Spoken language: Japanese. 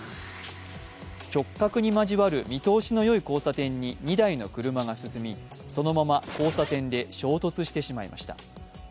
直角に交わる見通しのよい交差点に２台の車が進み、そのまま交差点で衝突してしまいました。